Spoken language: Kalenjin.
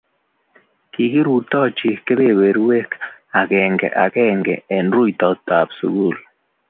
kikirutochi kebeberwek agenge agenge eng' rutoitab sukul